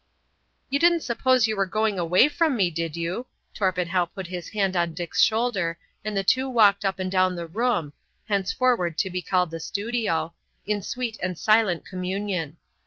"You didn't suppose you were going away from me, did you?" Torpenhow put his hand on Dick's shoulder, and the two walked up and down the room, henceforward to be called the studio, in sweet and silent communion.